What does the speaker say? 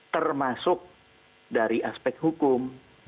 termasuk dari aspek hukum